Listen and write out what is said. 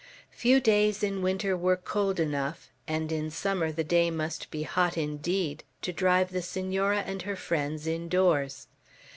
Few days in winter were cold enough, and in summer the day must be hot indeed to drive the Senora and her friends indoors.